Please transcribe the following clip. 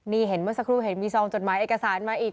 นี่เห็นเมื่อสักครู่เห็นมีซองจดหมายเอกสารมาอีก